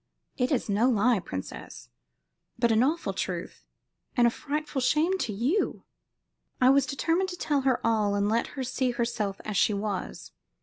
"It is no lie, princess, but an awful truth, and a frightful shame to you." I was determined to tell her all and let her see herself as she was.